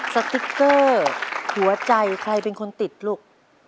สติ๊กเกอร์หัวใจใครเป็นคนติดลูก